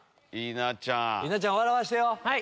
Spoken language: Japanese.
稲ちゃん笑わせてよ！